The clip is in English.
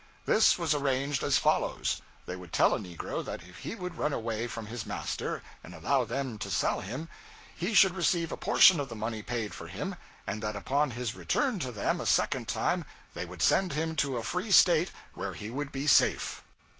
This was arranged as follows; they would tell a negro that if he would run away from his master, and allow them to sell him, he should receive a portion of the money paid for him, and that upon his return to them a second time they would send him to a free State, where he would be safe.